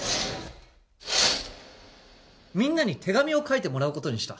みんなに手紙を書いてもらうことにした